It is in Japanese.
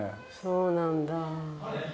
そうなんだ